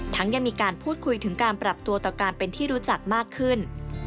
ยังมีการพูดคุยถึงการปรับตัวต่อการเป็นที่รู้จักมากขึ้น